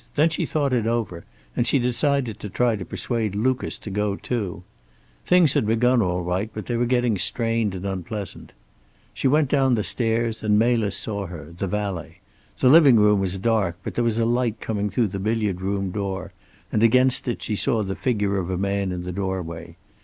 Then she thought it over, and she decided to try to persuade Lucas to go too. Things had begun all right, but they were getting strained and unpleasant. She went down the stairs, and Melis saw her, the valet. The living room was dark, but there was a light coming through the billiard room door, and against it she saw the figure of a man in the doorway.